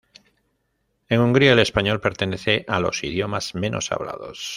En Hungría el español pertenece a los idiomas menos hablados.